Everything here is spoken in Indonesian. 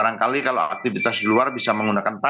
barangkali kalau aktivitas di luar bisa menggunakan pakaian